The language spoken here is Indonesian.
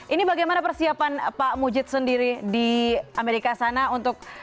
ini bagaimana persiapan pak mujid sendiri di amerika sana untuk